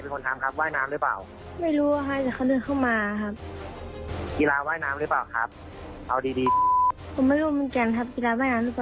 ผมไม่รู้เหมือนกันครับกีฬาว่ายน้ำหรือเปล่า